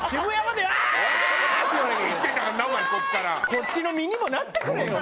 こっちの身にもなってくれよ！